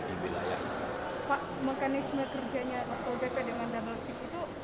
pak mekanisme kerjanya satpol pp dengan double stick itu